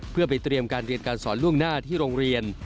เพื่อไปเตรียมการเรียนการสอนล่วงหน้าที่โรงเรียน